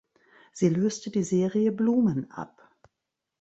Sie löste die Serie Blumen ab.